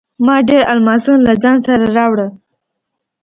ما ډیر الماسونه له ځان سره راوړل.